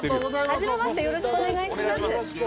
初めまして、よろしくお願いします。